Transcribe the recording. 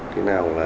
thế nào là